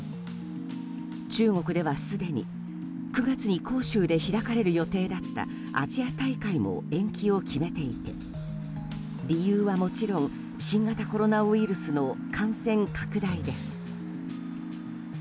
中国ではすでに９月に杭州で開かれる予定だったアジア大会も延期を決めていて理由はもちろん新型コロナウイルスの感染拡大です。